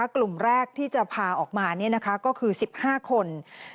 กลุ่มแรกที่จะพาออกมาก็คือ๑๕คน